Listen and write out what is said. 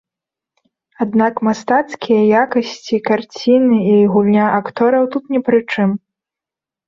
Аднак мастацкія якасці карціны і гульня актораў тут не пры чым.